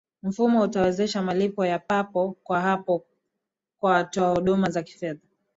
mfumo utawezesha malipo ya papo kwa hapo kwa watoa huduma za kifedha